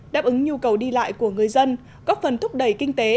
đáp ứng nhu cầu đi lại của người dân góp phần thúc đẩy kinh tế